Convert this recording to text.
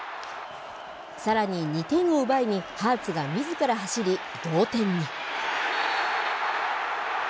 さらに２点を奪いにハーツがみずから走り、同点に。